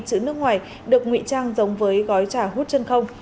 các gói ni lông bên ngoài được nguy trang giống với gói trà hút chân không